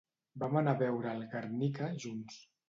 Vam anar a veure el ‘Guernica’ junts.